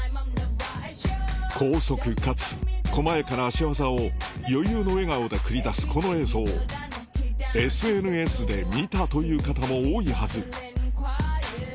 高速かつ細やかな足技を余裕の笑顔で繰り出すこの映像ＳＮＳで見たという方も多いはず